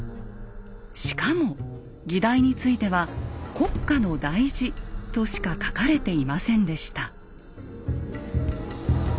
しかも議題については「国家の大事」としか書かれていませんでした。